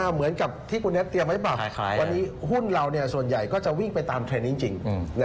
เหมือนกับที่คุณเน็ตเตรียมไว้หรือเปล่าวันนี้หุ้นเราส่วนใหญ่ก็จะวิ่งไปตามเทรนด์นี้จริง